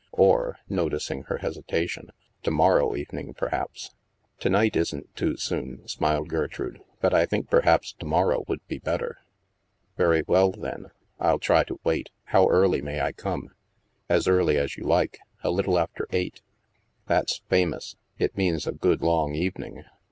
Or " (noticing her hesitation), *' to morrow evening, perhaps?" " To night isn't too soon," smiled Gertrude, " but I think perhaps to morrow would be better." " Very well, then. I'll try to wait. How early may I come ?"" As early as you like. A little after eight." " That's famous. It means a good long evening.